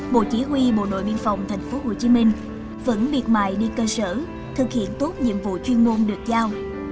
bộ chỉ huy bộ đội biên phòng tp hcm vẫn biệt mài đi cơ sở thực hiện tốt nhiệm vụ chuyên môn được giao